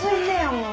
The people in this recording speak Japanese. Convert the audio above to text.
もう。